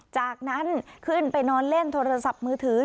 จากนั้นขึ้นไปนอนเล่นทัวรัสสับมือถือ